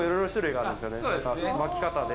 巻き方で。